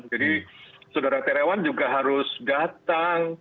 jadi saudara tirawan juga harus datang